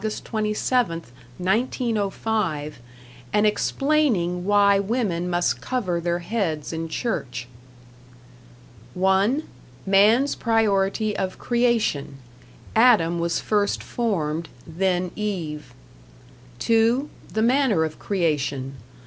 27th, 1905, and explaining why women must cover their heads in church: (1) Man's priority of creation. Adam was first formed, then Eve. (2) The manner of creation.